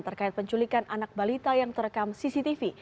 terkait penculikan anak balita yang terekam cctv